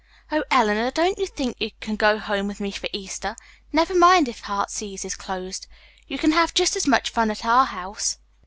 "Oh, Eleanor, don't you think you can go home with me for Easter? Never mind if 'Heartsease' is closed. You can have just as much fun at our house.